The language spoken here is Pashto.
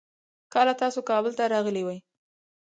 کله تاسو کابل ته راغلې وي؟